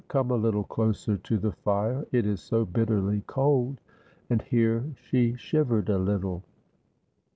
Come a little closer to the fire, it is so bitterly cold," and here she shivered a little.